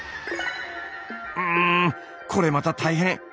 うんこれまた大変。